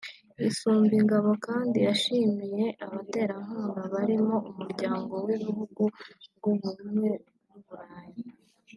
Isumbingabo kandi yashimiye abaterankunga barimo Umuryango w’Ibihugu by’Ubumwe bw’u Burayi